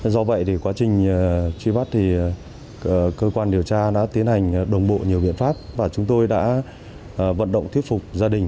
do vậy quá trình truy bắt cơ quan điều tra đã tiến hành đồng bộ nhiều biện pháp và chúng tôi đã vận động thiết phục gia đình